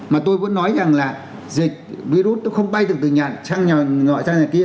mà tôi vẫn nói rằng là dịch virus nó không bay được từ nhà sang nhà kia